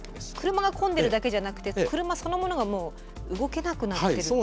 車が混んでるだけじゃなくて車そのものがもう動けなくなってるっていう。